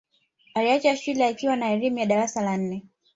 Aliacha shule akiwa na elimu ya darasa la nne